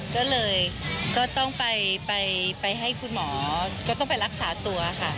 ก็เลยก็ต้องไปให้คุณหมอก็ต้องไปรักษาตัวค่ะ